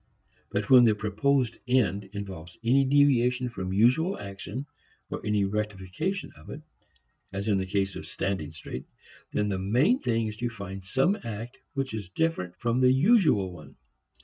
But when the proposed end involves any deviation from usual action, or any rectification of it as in the case of standing straight then the main thing is to find some act which is different from the usual one.